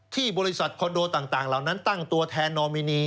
ที่บริษัทคอนโดต่างเหล่านั้นตั้งตัวแทนนอมินี